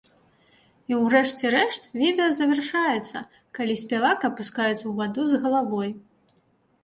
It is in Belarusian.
І ў рэшце рэшт відэа завяршаецца, калі спявак апускаецца ў ваду з галавой.